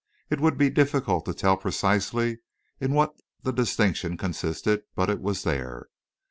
It would be difficult to tell precisely in what the distinction consisted, but it was there.